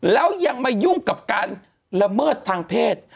แล้วยังมายุ่งกับการละเมิดทางเพศ